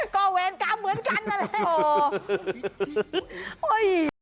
ก็เวรกรรมเหมือนกันนั่นแหละ